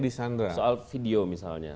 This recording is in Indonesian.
disandra soal video misalnya